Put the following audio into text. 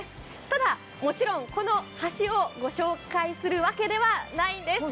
ただ、もちろんこの橋をご紹介するわけではないんです。